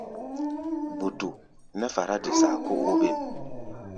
Gbutu nɛ́ fará-de-saa kó óbêm.